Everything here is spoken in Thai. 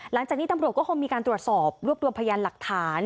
หลังจากนี้ตำรวจก็คงมีการตรวจสอบรวบรวมพยานหลักฐาน